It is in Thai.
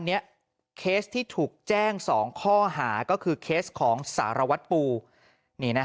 เคสที่ถูกแจ้ง๒ข้อหาก็คือเคสของสารวัตรปู